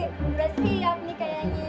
udah siap nih kayaknya